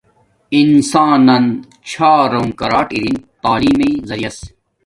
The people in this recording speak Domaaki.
انسان نن چھارونگ کارٹ ارین تعلیم مݵݵ زریعس